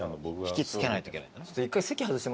引きつけないといけない。